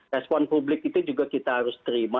respon publik itu juga kita harus terima